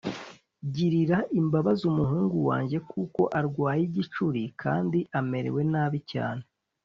girira imbabazi umuhungu wanjye kuko arwaye igicuri kandi amerewe nabi cyane